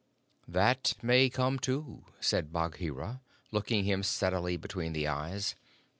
_" "That may come, too," said Bagheera, looking him steadily between the eyes.